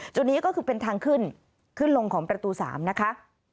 จุดนี้ก็คือเป็นทางขึ้นขึ้นลงของประตู๓นะคะ